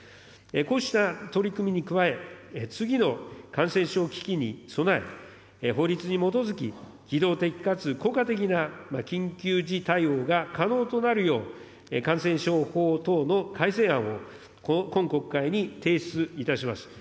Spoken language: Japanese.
こうした取り組みに加え、次の感染症危機に備え、法律に基づき、機動的かつ効果的な緊急時対応が可能となるよう、感染症法等の改正案を、今国会に提出いたします。